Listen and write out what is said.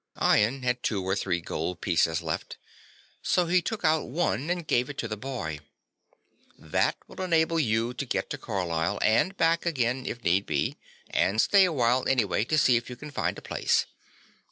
Ian had two or three gold pieces left, so he took out one and gave it to the boy. "That will enable you to get to Carlisle, and back again if need be, and stay a while anyway to see if you can find a place.